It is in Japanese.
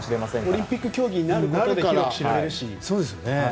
オリンピック競技になることで広く知られるし。